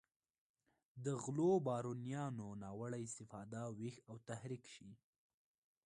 د غلو بارونیانو ناوړه استفاده ویښ او تحریک شي.